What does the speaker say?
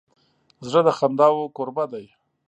زړه د خنداوو کوربه دی.